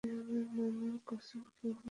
আমি আমার মামার কসম খেয়ে বলছি।